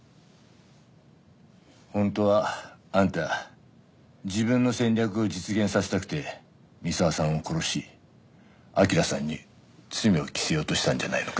本当はあんた自分の戦略を実現させたくて三澤さんを殺し明良さんに罪を着せようとしたんじゃないのか？